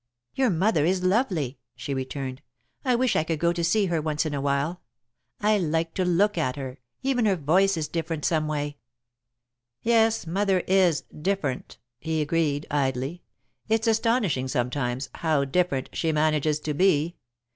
"Your mother is lovely," she returned. "I wish I could go to see her once in a while. I like to look at her. Even her voice is different someway." "Yes, mother is 'different,'" he agreed, idly. "It's astonishing, sometimes, how 'different' she manages to be.